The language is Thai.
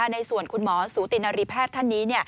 ในส่วนคุณหมอสูตินารีแพทย์ท่านนี้